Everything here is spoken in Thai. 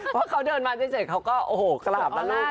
เพราะเขาเดินมาซับซนเขาก็กลับแล้วนะ